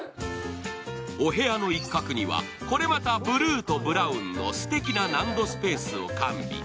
お部屋の一角にはこれまたブルーとブラウンのすてきな納戸スペースを完備。